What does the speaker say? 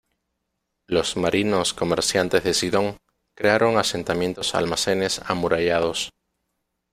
Los marinos comerciantes de Sidón crearon asentamientos-almacenes amurallados.